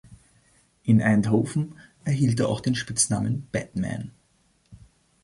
In Eindhoven erhielt er auch den Spitznamen „Batman“.